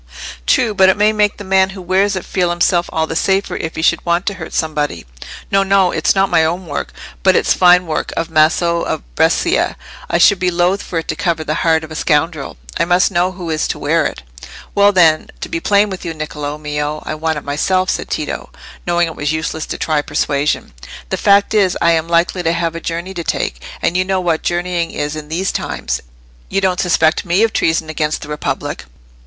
"True: but it may make the man who wears it feel himself all the safer if he should want to hurt somebody. No, no; it's not my own work; but it's fine work of Maso of Brescia; I should be loth for it to cover the heart of a scoundrel. I must know who is to wear it." "Well, then, to be plain with you, Niccolò mio, I want it myself," said Tito, knowing it was useless to try persuasion. "The fact is, I am likely to have a journey to take—and you know what journeying is in these times. You don't suspect me of treason against the Republic?"